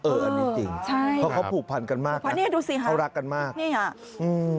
เอ๊อนจริงเพราะเขาผูกพันธุ์มากนะเขารักมากนะคะอ๋อใช่